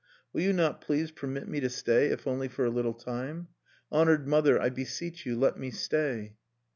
"Will you not please permit me to stay, if only for a little time? Honored mother, I beseech you, let me stay."